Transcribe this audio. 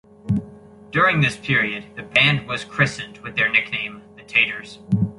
During this period the band was christened with their nickname, "The 'Taters".